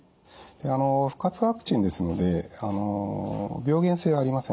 で不活化ワクチンですので病原性はありません。